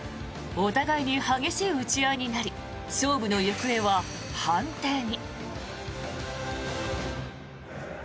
お互いに激しい打ち合いになり勝負の行方は判定に。